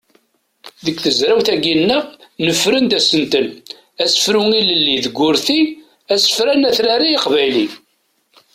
Deg tezrawt-agi-nneɣ nefren-d asentel: asefru ilelli deg urti asefran atrar aqbayli.